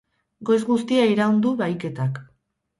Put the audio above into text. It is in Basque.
Goiz guztia iraun du bahiketak.